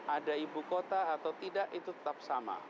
ada ibu kota atau tidak itu tetap sama